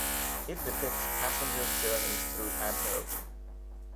It depicts passengers' journeys through Admiralty.